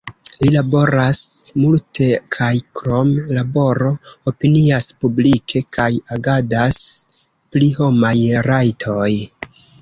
Li laboras multe kaj, krom laboro, opinias publike kaj agadas pri homaj rajtoj.